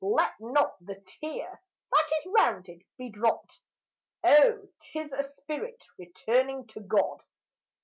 Let not the tear, that is rounded, be dropt! Oh! 't is a spirit returning to God!